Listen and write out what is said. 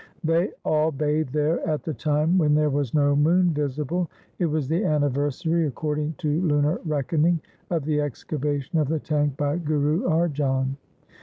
They all bathed there at the time when there was no moon visible. It was the anniversary, according to lunar reckoning, of the excavation of the tank by Guru Arjan.